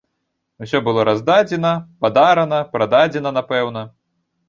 Усё было раздадзена, падарана, прададзена, напэўна.